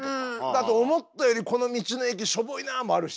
あと「思ったよりこの道の駅しょぼいな」もあるし。